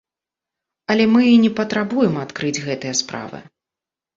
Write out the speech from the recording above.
Але мы і не патрабуем адкрыць гэтыя справы.